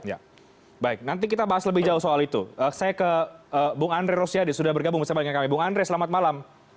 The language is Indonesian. ya baik nanti kita bahas lebih jauh soal itu saya ke bung andre rosiade sudah bergabung bersama dengan kami bung andre selamat malam